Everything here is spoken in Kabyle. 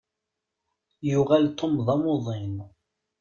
Yuɣal Tom d amuḍin.